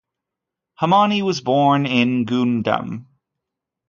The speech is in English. Hamani was born in Goundam.